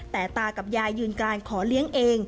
แต่ตากับยายยืนการขอเลี้ยงเอง